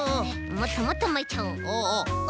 もっともっとまいちゃおう。